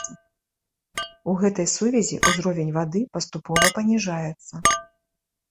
У гэтай сувязі ўзровень вады паступова паніжаецца.